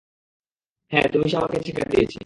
হ্যাঁ তুমি সে আমারে ছ্যাঁকা দিছে।